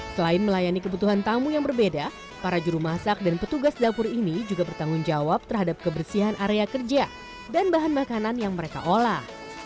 selain melayani kebutuhan tamu yang berbeda para juru masak dan petugas dapur ini juga bertanggung jawab terhadap kebersihan area kerja dan bahan makanan yang mereka olah